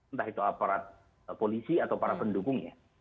entah itu aparat polisi atau para pendukungnya